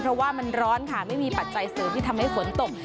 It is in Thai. เพราะว่ามันร้อนค่ะไม่มีปัจจัยเสริมที่ทำให้ฝนตก